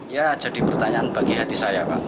ya jadi pertanyaan bagi hati saya pak